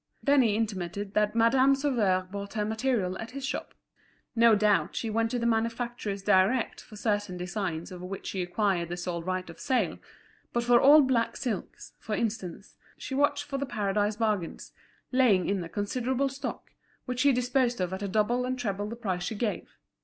Then he intimated that Madame Sauveur bought her material at his shop; no doubt she went to the manufacturers direct for certain designs of which she acquired the sole right of sale; but for all black silks, for instance, she watched for The Paradise bargains, laying in a considerable stock, which she disposed of at double and treble the price she gave.